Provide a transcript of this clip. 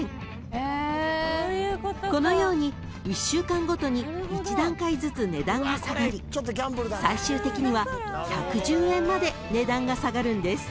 ［このように１週間ごとに１段階ずつ値段が下がり最終的には１１０円まで値段が下がるんです］